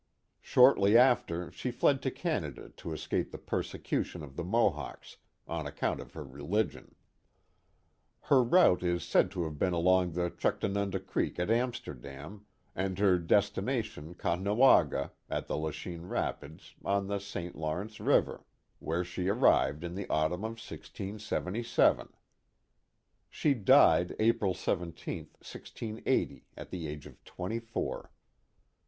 Shortly after, she fled to Canada to escape the persecution of the Mohawks, on account of her religion. Her route is said to have been along the Chucta nunda Creek at Amsterdam, and her destination Caughnawaga, at the Lachine Rapids, on the St. Lawrence River, where she arrived in the autumn of 1677. She died April 17, 1680, at the age of twenty four.